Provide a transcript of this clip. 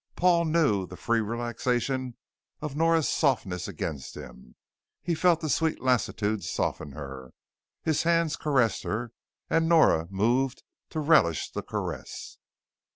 Paul knew the free relaxation of Nora's softness against him, he felt the sweet lassitude soften her. His hands caressed her and Nora moved to relish the caress.